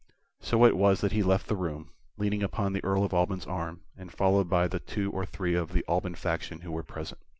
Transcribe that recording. So it was that he left the room, leaning upon the Earl of Alban's arm, and followed by the two or three of the Alban faction who were present.